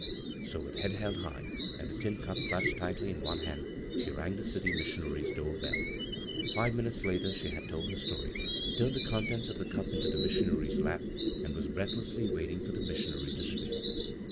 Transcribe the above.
So with head held high, and the tin cup clutched tightly in one hand, she rang the city missionary's door belL Five minutes later she had told ber story, turned the con tents of the cup into the missionary's lap, and was breathlessly waiting for the missionary to speak.